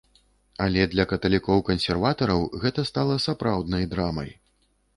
Але для каталікоў-кансерватараў гэта стала сапраўднай драмай.